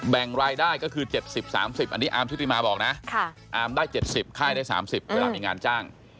แบ่งรายได้ก็คือ๗๐๓๐อันนี้อาร์มชุติมาบอกนะอาร์มได้๗๐ค่ายได้๓๐เวลามีงานจ้าง